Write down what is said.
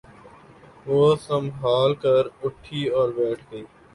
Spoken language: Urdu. وہ سنبھل کر اٹھی اور بیٹھ گئی۔